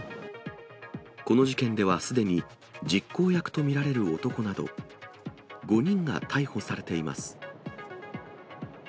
この事件ではすでに実行役と見られる男など、５人が逮捕されています。